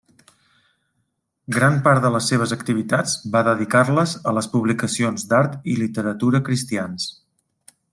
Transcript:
Gran part de les seves activitats va dedicar-les a les publicacions d'art i literatura cristians.